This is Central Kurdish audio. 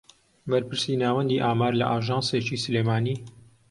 بەرپرسی ناوەندی ئامار لە ئاژانسێکی سلێمانی